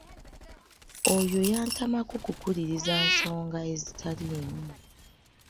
Oyo yantamako kukuliriza nsonga ezitaliimu.